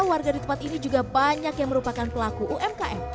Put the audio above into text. warga di tempat ini juga banyak yang merupakan pelaku umkm